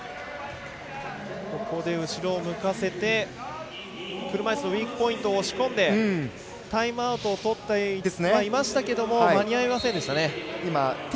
後ろを向かせて車いすのウィークポイントを押し込んでいってタイムアウトをとってはいましたけれども間に合いませんでしたね。